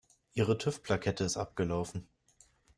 Ihre TÜV-Plakette ist abgelaufen.